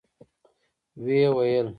و يې ويل.